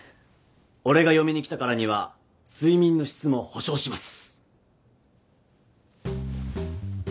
俺が嫁に来たからには睡眠の質も保証します。